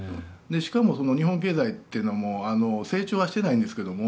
しかも日本経済というのは成長はしてないんですけども